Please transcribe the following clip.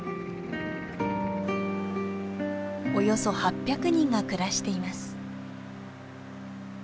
およそ８００人が暮らしています。